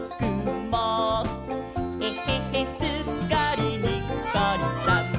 「えへへすっかりにっこりさん！」